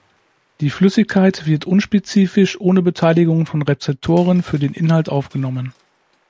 Die Flüssigkeit wird unspezifisch ohne Beteiligung von Rezeptoren für den Inhalt aufgenommen.